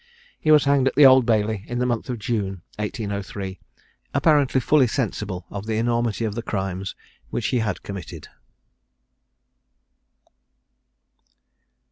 He was hanged at the Old Bailey in the month of June 1803, apparently fully sensible of the enormity of the crimes which he had committed.